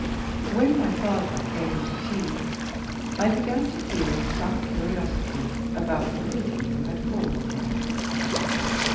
When my father came in to tea, I began to feel some curiosity about the lady who had called on him.